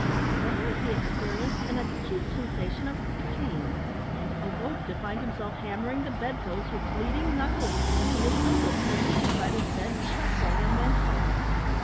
Suddenly he experienced an acute sensation of pain, and awoke to find himself hammering the bed post with bleeding knuckles, and his uncle standing beside his bed chuckling immensely.